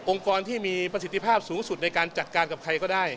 กรที่มีประสิทธิภาพสูงสุดในการจัดการกับใครก็ได้